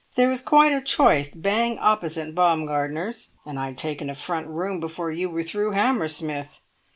There was quite a choice bang opposite Baumgartner's, and I'd taken a front room before you were through Hammersmith.